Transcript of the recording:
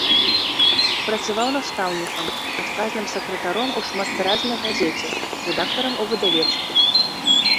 Працаваў настаўнікам, адказным сакратаром у шматтыражнай газеце, рэдактарам у выдавецтве.